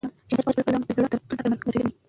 شاعر په خپل کلام کې د زړه د دردونو درمل لټوي.